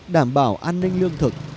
đảm bảo an ninh lương thực